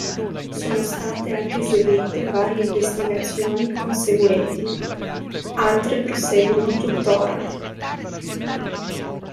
Sono state anche eseguite varie investigazioni conseguenti; altre proseguono tuttora.